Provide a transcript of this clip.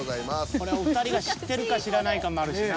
これお二人が知ってるか知らないかもあるしな。